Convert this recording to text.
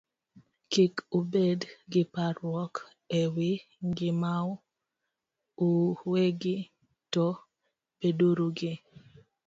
"Kik ubed gi parruok e wi ngimau uwegi, to beduru gi